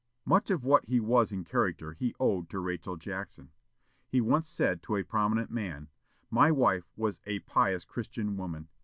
Much of what he was in character he owed to Rachel Jackson. He once said to a prominent man, "My wife was a pious Christian woman.